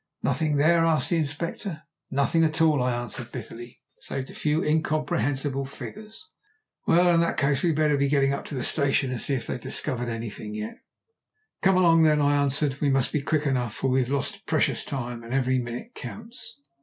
"Nothing there?" asked the Inspector. "Nothing at all," I answered bitterly, "save a few incomprehensible figures." "Well, in that case, we'd better be getting up to the station and see if they've discovered anything yet." "Come along, then," I answered. "We must be quick though, for we've lost a lot of precious time, and every minute counts."